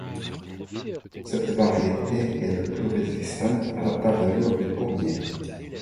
Cette variété est de plus résistante à la tavelure du pommier.